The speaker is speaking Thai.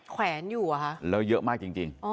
แขวนอยู่นะคะแล้วเยอะมากจริงจริง